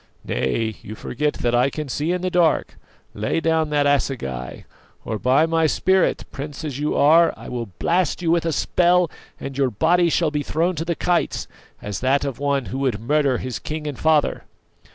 Nay, you forget that I can see in the dark; lay down that assegai, or, by my spirit, prince as you are, I will blast you with a spell, and your body shall be thrown to the kites, as that of one who would murder his king and father!"